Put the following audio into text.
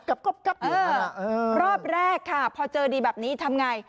กับอยู่แล้วเออรอบแรกค่ะพอเจอดีแบบนี้ทำไง